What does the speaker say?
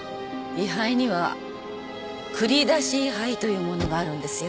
位牌には繰り出し位牌というものがあるんですよ。